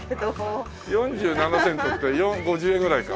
４７セントって５０円ぐらいか。